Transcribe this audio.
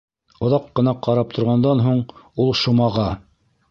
Оҙаҡ ҡына ҡарап торғандан һуң ул Шомаға: